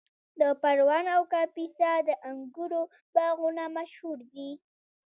د پروان او کاپیسا د انګورو باغونه مشهور دي.